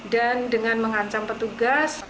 dan dengan mengancam petugas